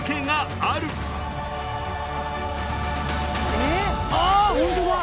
あっ本当だ！